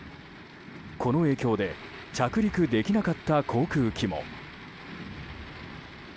この影響で着陸できなかった航空機も。